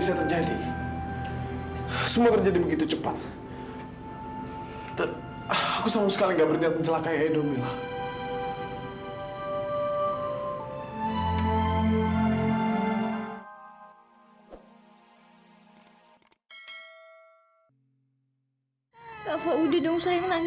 sampai jumpa di video selanjutnya